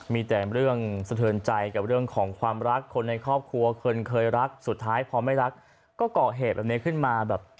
มีแต่เรื่องสะเทินใจกับเรื่องของความรักคนในครอบครัวคนเคยรักสุดท้ายพอไม่รักก็เกาะเหตุแบบนี้ขึ้นมาแบบ